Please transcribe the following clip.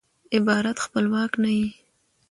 عبارت خپلواک نه يي.